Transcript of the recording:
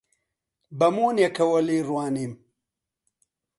بە مۆنێکەوە لێی ڕوانیم: